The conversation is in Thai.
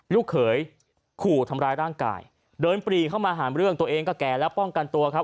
ลูกเขยขู่ทำร้ายร่างกายเดินปรีเข้ามาหาเรื่องตัวเองก็แก่แล้วป้องกันตัวครับ